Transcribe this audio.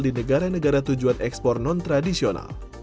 di negara negara tujuan ekspor non tradisional